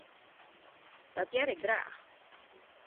Dat hear ik graach.